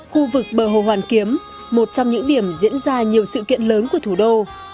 khu vực bờ hồ hoàn kiếm một trong những điểm diễn ra nhiều sự kiện lớn của thủ đô